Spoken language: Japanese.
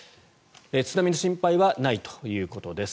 津波の心配はないということです。